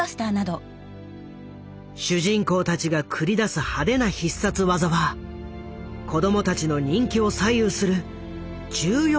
主人公たちが繰り出す派手な必殺技は子供たちの人気を左右する重要な要素だった。